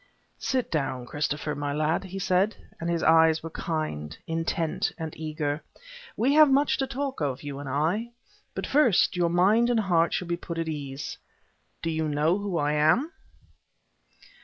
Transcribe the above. "Sit down, Christopher my lad," he said, and his eyes were kind, intent and eager. "We have much to talk of, you and I. But first, your mind and heart shall be put at ease. Do you know who I am?"